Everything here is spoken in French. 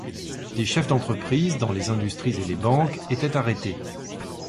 Des chefs d’entreprises, dans les industries et les banques, étaient arrêtés.